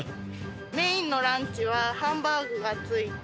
メインのランチはハンバーグが付いて。